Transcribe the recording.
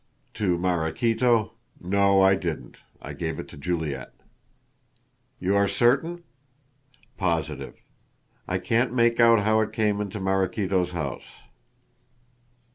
"To Maraquito. No, I didn't. I gave it to Juliet." "You are certain?" "Positive! I can't make out how it came into Maraquito's house."